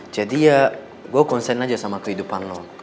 jadi ya gue konsen aja sama kehidupan lo